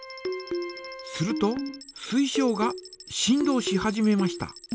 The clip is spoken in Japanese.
すると水晶が振動し始めました。